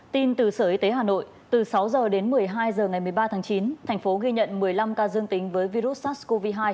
tin từ sở y tế hà nội từ sáu h đến một mươi hai h ngày một mươi ba tháng chín thành phố ghi nhận một mươi năm ca dương tính với virus sars cov hai